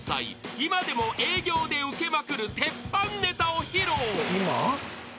今でも営業でウケまくる鉄板ネタを披露］